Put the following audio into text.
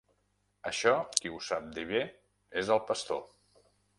Això qui ho sap dir bé és el pastor…